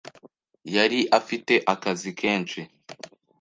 yari afite akazi kenshi